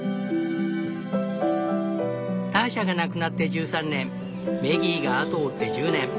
ターシャが亡くなって１３年メギーが後を追って１０年。